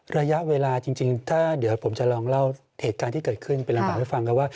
ระยะเวลาจริงถ้าเดี๋ยวผมจะลองเล่าเหตุการณ์ที่เกิดขึ้นเป็นลำบากให้ฟังครับว่า